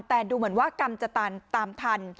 แต่ดูเหมือนว่ากรรมจะตามทัน